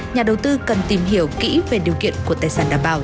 nhà đầu tư cần tìm hiểu kỹ về điều kiện của tài sản đảm bảo